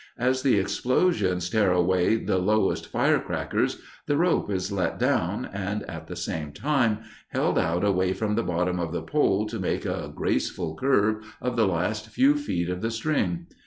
As the explosions tear away the lowest crackers, the rope is let down and, at the same time, held out away from the bottom of the pole to make a graceful curve of the last few feet of the string.